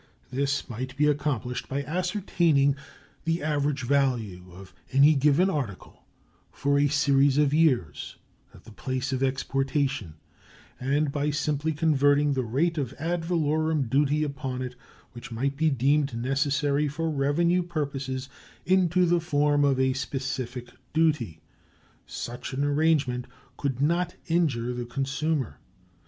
This might be accomplished by ascertaining the average value of any given article for a series of years at the place of exportation and by simply converting the rate of ad valorem duty upon it which might be deemed necessary for revenue purposes into the form of a specific duty. Such an arrangement could not injure the consumer.